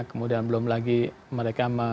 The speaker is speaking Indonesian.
kemudian belum lagi mereka